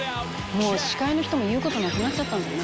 「もう司会の人も言う事なくなっちゃったんだね」